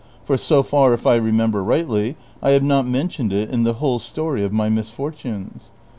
For so far, if I remember rightly, I have not mentioned it in the whole story of my misfortunes."